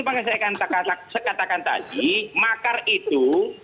itu makanya saya akan sekatakan tadi makar itu